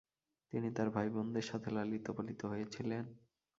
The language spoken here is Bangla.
তিনি তার ভাই-বোনদের সাথে লালিত-পালিত হয়েছিলেন।